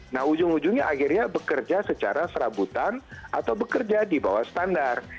nah ujung ujungnya akhirnya bekerja secara serabutan atau bekerja di bawah standar